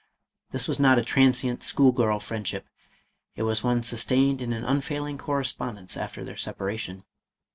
. This was not a transient, school girl friendship ; it was one sus tained in an unfailing correspondence after their sep aration.